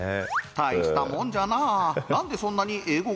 大したもんじゃな。